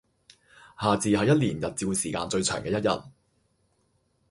夏至係一年日照時間最長嘅一日